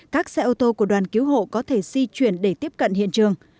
các xe ô tô của đoàn cứu hộ có thể di chuyển để tiếp cận hiện trường